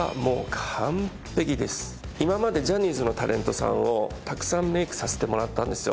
今までジャニーズのタレントさんをたくさんメイクさせてもらったんですよ